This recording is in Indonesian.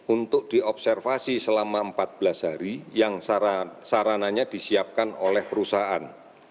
untuk diobservasi selama empat belas hari yang sarananya disiapkan oleh perusahaan